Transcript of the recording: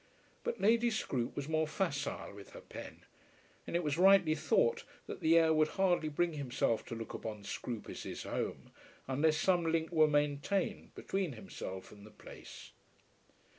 But Lady Scroope was more facile with her pen, and it was rightly thought that the heir would hardly bring himself to look upon Scroope as his home, unless some link were maintained between himself and the place.